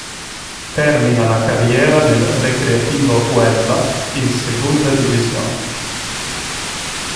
Termina la carriera nel Recreativo Huelva in Segunda División.